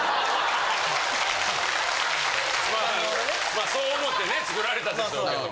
まあそう思ってね作られたんでしょうけど。